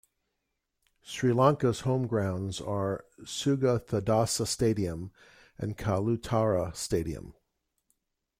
Sri Lanka's home grounds are Sugathadasa Stadium and Kalutara Stadium.